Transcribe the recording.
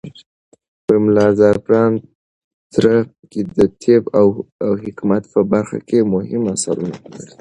ملا زعفران تره کى د طب او حکمت په برخه کې مهم اثرونه لرل.